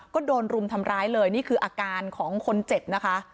ก็โดนรุมทำร้ายเลยนี่คืออาการของคนเจ็บนะคะ